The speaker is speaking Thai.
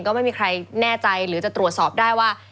ก็ไม่มีใครแน่ใจหรือจะตรวจสอบได้ว่า